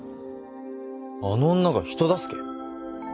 あの女が人助け？